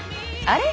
あれ？